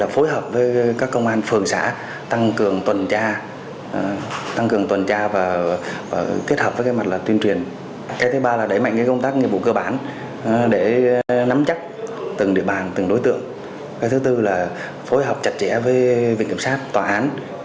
phối hợp chặt chẽ với vịnh kiểm soát tòa án